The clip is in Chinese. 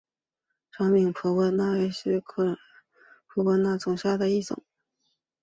长柄婆婆纳为车前草科婆婆纳属下的一个种。